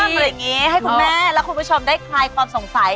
อะไรอย่างนี้ให้คุณแม่และคุณผู้ชมได้คลายความสงสัย